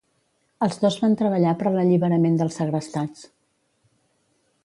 Els dos van treballar per l'alliberament dels segrestats.